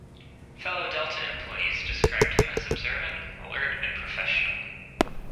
Fellow Delta employees described him as observant, alert, and professional.